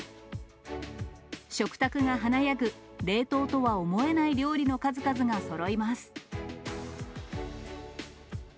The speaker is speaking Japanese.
食卓が華やぐ冷凍とは思えない料理の数々がそろいます。